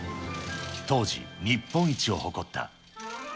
当時、日本一を誇った。